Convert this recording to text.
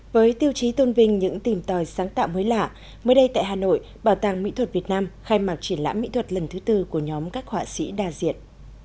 với tiêu chí tôn vinh những tìm tòi sáng tạo mới lạ mới đây tại hà nội bảo tàng mỹ thuật việt nam khai mạc triển lãm mỹ thuật lần thứ tư của nhóm các họa sĩ đa diện